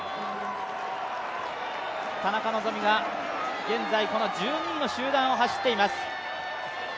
田中希実が現在１２位の集団を走っています。